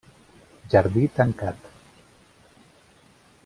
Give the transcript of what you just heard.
Jardí tancat.